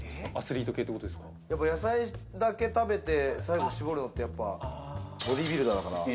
野菜だけ食べて最後絞るのって、ボディービルダーだから。